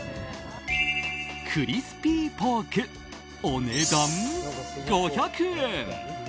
クリスピーポークお値段５００円。